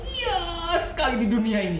iya sekali di dunia ini